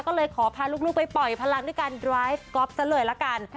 ก็เลยขอพาลูกไปปล่อยพลังด้วยการดราฟก๊อฟซะเลยละกัน